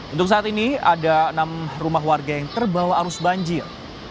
untuk saat ini ada enam rumah warga yang terbawa arus banjir